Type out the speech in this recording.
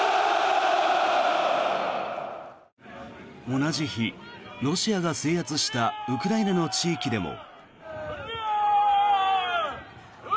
同じ日、ロシアが制圧したウクライナの地域でも。